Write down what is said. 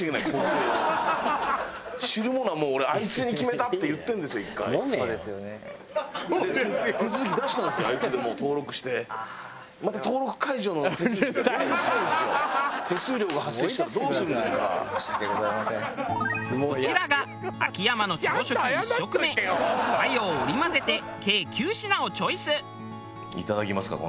このいただきます。